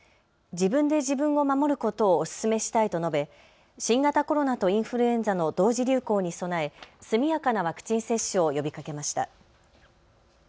自分で自分を守ることをお勧めしたいと述べ新型コロナとインフルエンザの同時流行に備え、速やかなワクチン接種を呼びかけました。